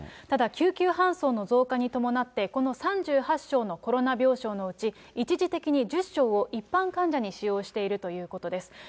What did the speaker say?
ただ、救急搬送の増加に伴って、この３８床のコロナ病床のうち、一時的に１０床を一般患者に使用しているということです。